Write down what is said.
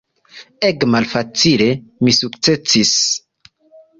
Ege malfacile mi sukcesis.